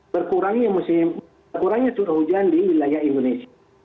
berkurangnya musim berkurangnya curah hujan di wilayah indonesia